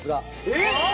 えっ！